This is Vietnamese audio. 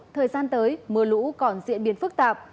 thời gian tới mưa lũ còn diễn biến phức tạp